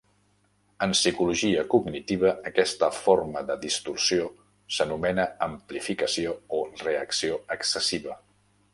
En psicologia cognitiva, aquesta forma de distorsió s'anomena amplificació o reacció excessiva.